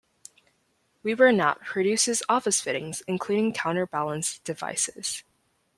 Weber Knapp produces office fittings including counterbalance devices.